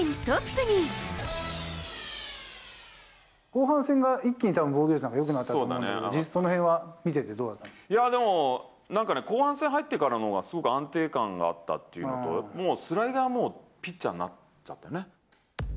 後半戦が一気にたぶん、防御率がよくなったと思うんだけど、実際、でも、なんかね、後半戦入ってからのほうがすごく安定感があったっていうか、もうスライダーはピッチャーになっちゃったよね。